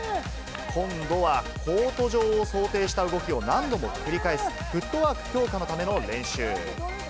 今度はコート上を想定した動きを何度も繰り返す、フットワーク強化のための練習。